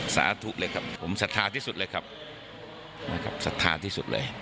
สาธุเลยครับผมสัทธาที่สุดเลยครับสัทธาที่สุดเลย